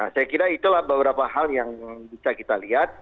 saya kira itulah beberapa hal yang bisa kita lihat